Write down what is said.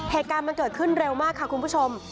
เหตุการณ์มันเกิดขึ้นเร็วมากค่ะคุณผู้ชม